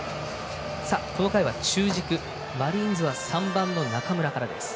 この回は中軸マリーンズは３番の中村からです。